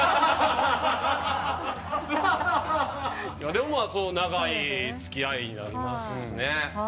でも長い付き合いになりますね。